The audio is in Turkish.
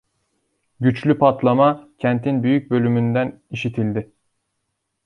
Güçlü patlama kentin büyük bölümünden işitildi.